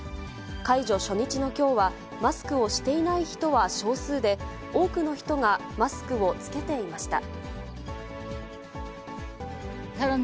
解除初日のきょうは、マスクをしていない人は少数で、多くの人がマスクを着けていました。